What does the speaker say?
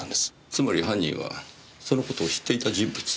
つまり犯人はその事を知っていた人物。